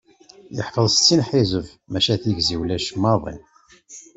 Yeḥfeḍ settin ḥizeb maca tigzi ulac maḍi.